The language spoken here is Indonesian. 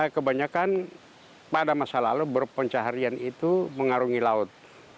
kebanyakan pada masa lalu berponca harian itu mengarungi laut